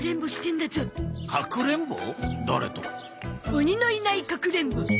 鬼のいないかくれんぼ。